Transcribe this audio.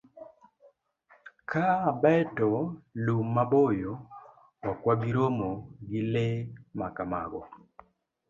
Ka beto lum maboyo, ok wabi romo gi le ma kamago.